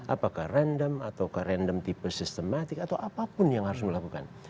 apakah random atau random tipe systematik atau apapun yang harus dilakukan